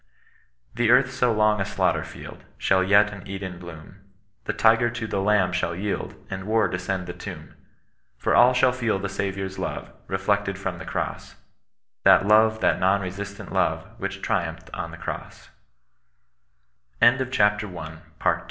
The earth so long a daoghter fleld. Shall yet an Eden bloom ; The tiger to the lamb shall yield. And War descend the tomb : For all shall feel the Saviour's lore, Befleoted from the cross— That loTe, that n<ni resistantloTe, Which triumphed on the oro